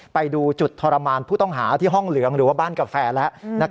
ไปดูจุดทรมานผู้ต้องหาที่ห้องเหลืองหรือว่าบ้านกาแฟแล้ว